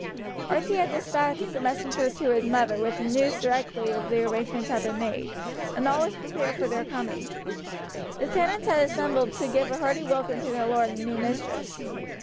Archie had despatched a messenger to his mother with the news directly the arrangements had been made; and all was prepared for their coming. The tenants had assembled to give a hearty welcome to their lord and new mistress.